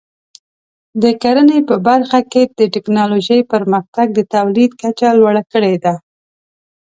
د کرنې په برخه کې د ټکنالوژۍ پرمختګ د تولید کچه لوړه کړې ده.